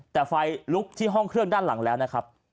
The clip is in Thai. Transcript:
แต่ไฟลุกที่ห้องเครื่องด้านหลังแล้วนะครับ